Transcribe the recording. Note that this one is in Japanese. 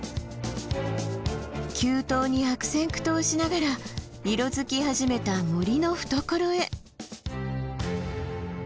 急登に悪戦苦闘しながら色づき始めた森の懐へ。